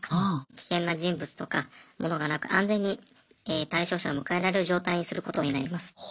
危険な人物とか物がなく安全に対象者を迎えられる状態にすることになります。